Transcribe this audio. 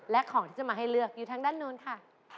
และของที่จะมาให้เลือกอยู่ทางด้านนู้นค่ะ